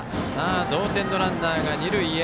同点のランナーが二塁へ。